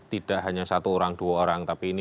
tidak hanya satu orang dua orang tapi ini